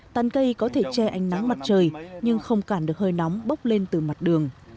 tàn cây có thể che ánh nắng mặt trời nhưng không cản được hơi nóng bốc lên từ mặt đường